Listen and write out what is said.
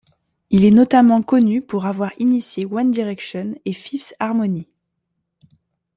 Il est notamment connu pour avoir initié One Direction et Fifth Harmony.